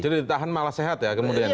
jadi ditahan malah sehat ya kemudian